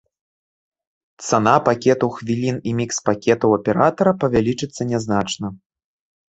Цана пакетаў хвілін і мікс-пакетаў аператара павялічыцца нязначна.